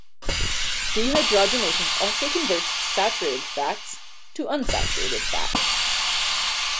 Dehydrogenation also converts saturated fats to unsaturated fats.